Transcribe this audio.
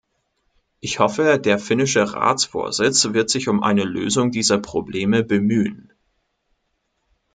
Ich hoffe, der finnische Ratsvorsitz wird sich um eine Lösung dieser Probleme bemühen.